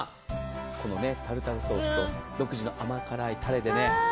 タルタルソースと独自の甘辛いたれでね。